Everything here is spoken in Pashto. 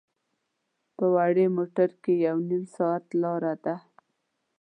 په وړې موټر کې یو نیم ساعت لاره ده.